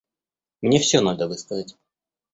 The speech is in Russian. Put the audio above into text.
Мне все надо высказать.